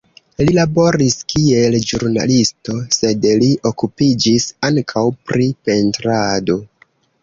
Li laboris, kiel ĵurnalisto, sed li okupiĝis ankaŭ pri pentrado.